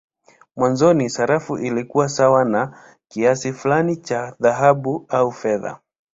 Mwanzoni sarafu ilikuwa sawa na kiasi fulani cha dhahabu au fedha.